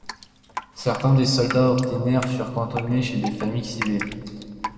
Certains des soldats ordinaires furent cantonnés chez des familles civiles.